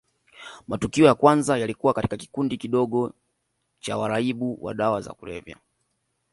Matukio ya kwanza yalikuwa katika kikundi kidogo cha waraibu wa dawa za kulevya